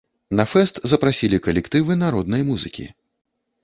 На фэст запрасілі калектывы народнай музыкі.